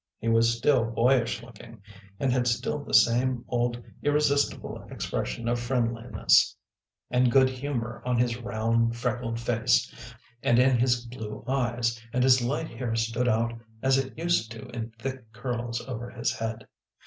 He was still boyish looking, and had still the same old irresistible expression of friendliness and ii8 THE PLEASANT WAYS OF ST. MEDARD good humor on his round freckled face and in his blue eyes, and his light hair stood out as it used to in thick curls over his head.